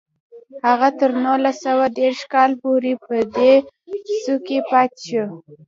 هغه تر نولس سوه دېرش کال پورې پر دې څوکۍ پاتې شو